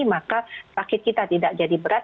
maka sakit kita tidak jadi berat